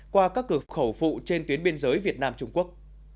qua các cửa khẩu phụ trên tuyến biên giới việt nam trung quốc